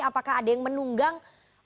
apakah ada yang menunggang